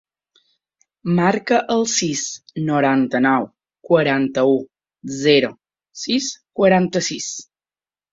Marca el sis, noranta-nou, quaranta-u, zero, sis, quaranta-sis.